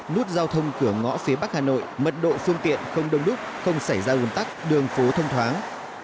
nút giao thông cửa ngõ phía bắc hà nội mật độ phương tiện không đông đúc không xảy ra ủn tắc đường phố thông thoáng